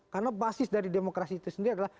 karena basis dari demokrasi itu sendiri adalah